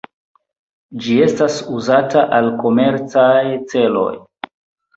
Ĝi estas uzata al komercaj celoj.